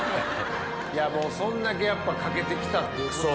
いやもうそんだけやっぱ懸けて来たっていうことです。